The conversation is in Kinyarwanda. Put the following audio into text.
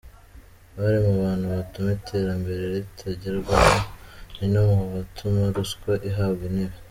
Bari mu bantu batuma iterambere ritagerwaho ni no mubatuma ruswa ihabwa intebe.